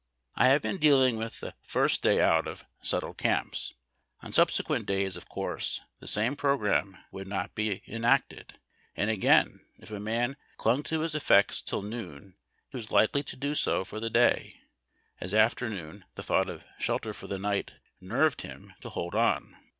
I have been dealing with the first day out of set tled camp. On subsequent days, of course the same programme would not be enacted. And, again, if a man clung to his effects till noon, he was likely to do so for tiie day, as after noon the thought of shel ter for the night nerved him to hold on.